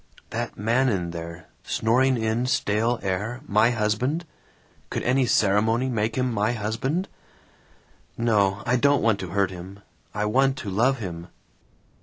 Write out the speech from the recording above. "That man in there, snoring in stale air, my husband? Could any ceremony make him my husband? "No. I don't want to hurt him. I want to love him.